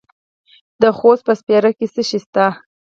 د خوست په سپیره کې څه شی شته؟